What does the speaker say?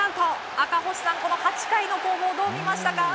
赤星さん、８回の攻防どう見ましたか？